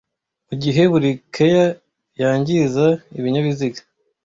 Mugihe buri Care yangiza ibinyabiziga,